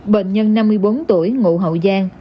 bệnh nhân năm mươi bốn tuổi ngủ hậu dưỡng